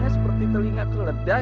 hai seperti telinga keledai